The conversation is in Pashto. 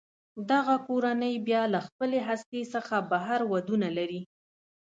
دغه کورنۍ بیا له خپلې هستې څخه بهر ودونه لري.